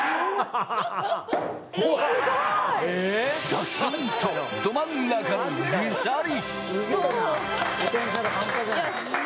ドスンと、ど真ん中にグサリ！